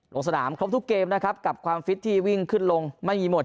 ลงสนามครบทุกเกมนะครับกับความฟิตที่วิ่งขึ้นลงไม่มีหมด